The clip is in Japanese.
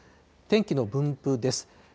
天気の分布です。